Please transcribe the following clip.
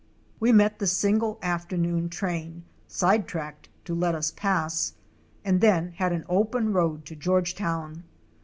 We met the single afternoon train, side tracked to let us pass, and then had an open road to Georgetown.